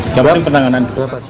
kita butuh penanganan dulu